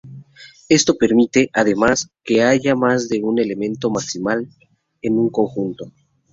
Esto permite, además, que haya más de un elemento maximal en un conjunto.